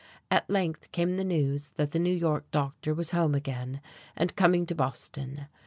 At length came the news that the New York doctor was home again; and coming to Boston.